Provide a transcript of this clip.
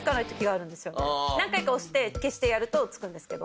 何回か押して消してやるとつくんですけど。